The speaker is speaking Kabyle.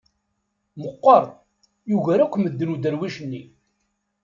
Meqqer, yugar akk medden uderwic-nni.